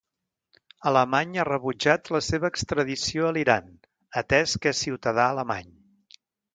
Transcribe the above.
Alemanya ha rebutjat la seva extradició a l'Iran, atès que és ciutadà alemany.